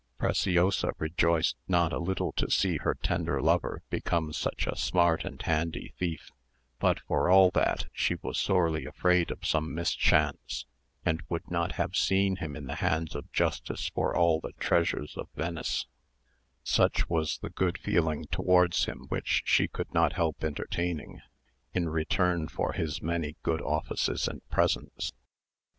Preciosa rejoiced not a little to see her tender lover become such a smart and handy thief; but for all that she was sorely afraid of some mischance, and would not have seen him in the hands of justice for all the treasures of Venice; such was the good feeling towards him which she could not help entertaining, in return for his many good offices and presents.